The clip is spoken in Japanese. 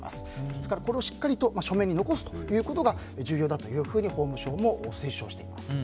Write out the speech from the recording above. ですからこれをしっかり書面に残すことが重要だと法務省も推奨しています。